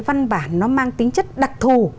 văn bản nó mang tính chất đặc thù